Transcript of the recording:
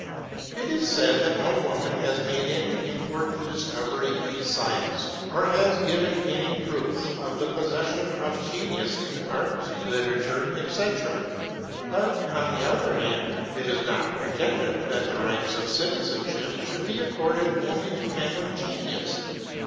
It is said that no woman has made any important discovery in science, or has given any proofs of the possession of genius in arts, literature, etc.; but, on the other hand, it is not pretended that the rights of citizenship should be accorded only to men of genius.